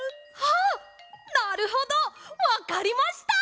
なるほどわかりました！